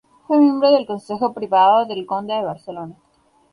Fue miembro del Consejo Privado del Conde de Barcelona.